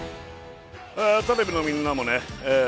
えテレビのみんなもねえ